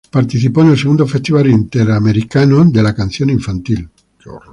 Participó en el "Segundo Festival Interamericano de la Canción Infantil".